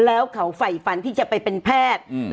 แล้วเขาไฝฝันที่จะไปเป็นแพทย์